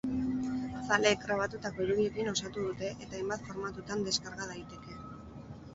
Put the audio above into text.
Zaleek grabatutako irudiekin osatu dute eta hainbat formatutan deskarga daiteke.